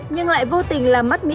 nhưng lại vô tình làm mất mỹ quốc